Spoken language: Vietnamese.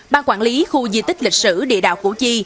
ban quản lý khu di tích lịch sử địa đạo củ chi